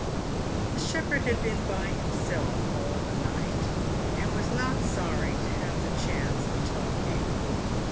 ( The shepherd had been by himself all the night, and was not sorry to have the chance of talking.